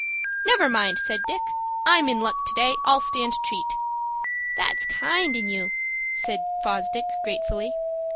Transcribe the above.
"Never mind," said Dick; "I'm in luck to day, I'll stand treat." "That's kind in you," said Fosdick, gratefully.